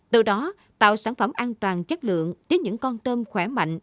từ đó tạo sản phẩm an toàn chất lượng tiếp những con tôm khỏe mạnh